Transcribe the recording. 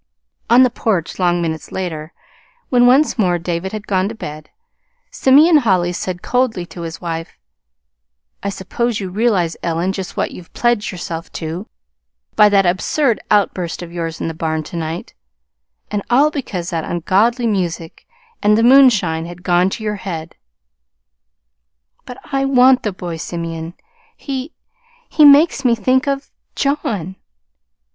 On the porch long minutes later, when once more David had gone to bed, Simeon Holly said coldly to his wife: "I suppose you realize, Ellen, just what you've pledged yourself to, by that absurd outburst of yours in the barn to night and all because that ungodly music and the moonshine had gone to your head!" "But I want the boy, Simeon. He he makes me think of John."